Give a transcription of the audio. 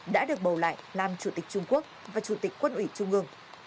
đã được bầu lại làm chủ tịch trung quốc và chủ tịch quân ủy trung ương